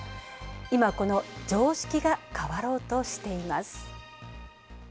今、この常識が変わろうとしています。